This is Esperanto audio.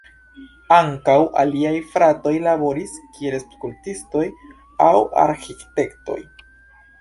Ankaŭ aliaj fratoj laboris kiel skulptistoj aŭ arĥitektoj.